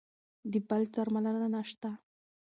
د فلج درملنه نشته.